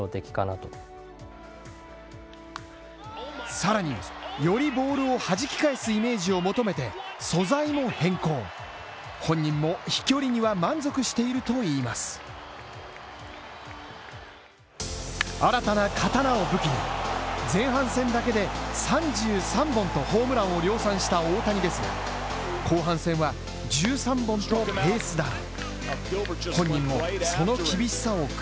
さらに、よりボールをはじき返すイメージを求めて素材も変更、本人も飛距離には満足しているといいます新たな刀を武器に、前半戦だけで３３本とホームランを量産した大谷ですが後半戦は、１３本ペースダウン